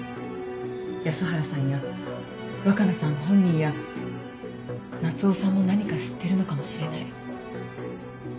安原さんや若菜さん本人や夏雄さんも何か知ってるのかもしれない。